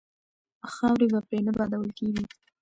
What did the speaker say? خاورې به پرې نه بادول کیږي.